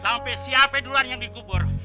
sampai siapa duluan yang dikubur